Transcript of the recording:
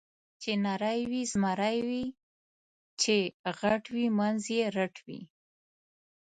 چې نری وي زمری وي، چې غټ وي منځ یې رټ وي.